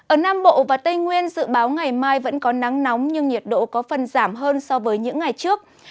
ở nam bộ và tây nguyên dự báo ngày mai vẫn có nắng nóng nhưng nhiệt độ có phần giảm hơn so với những ngày trước